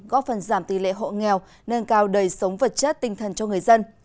góp phần giảm tỷ lệ hộ nghèo nâng cao đời sống vật chất tinh thần cho người dân